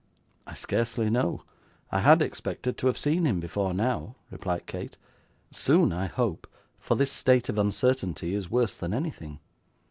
'I scarcely know; I had expected to have seen him before now,' replied Kate. 'Soon I hope, for this state of uncertainty is worse than anything.